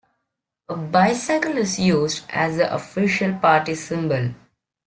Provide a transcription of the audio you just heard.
A bicycle is used as the official party symbol.